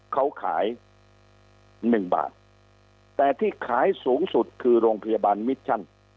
เขาขาย๑บาทแต่ที่ขายสูงสุดคือโรงพยาบาลมิชชั่น